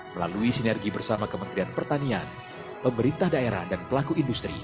melalui sinergi bersama kementerian pertanian pemerintah daerah dan pelaku industri